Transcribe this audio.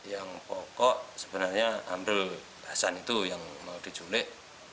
yang pokok sebenarnya amrul basan itu yang mau diculik